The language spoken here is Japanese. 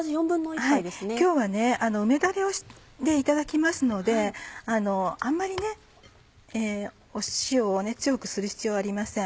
今日は梅だれでいただきますのであんまり塩を強くする必要はありません。